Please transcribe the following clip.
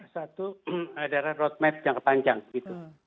satu adalah road map jangka panjang gitu